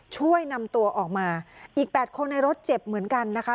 ช่วยนำตัวออกมาอีกแปดคนในรถเจ็บเหมือนกันนะคะ